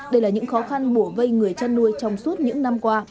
đây là những khó khăn mổ vây người chăn nuôi trong suốt những năm qua